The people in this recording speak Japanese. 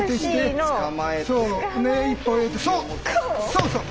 そうそう。